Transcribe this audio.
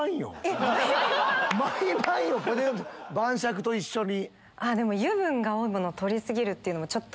毎晩⁉晩酌と一緒に。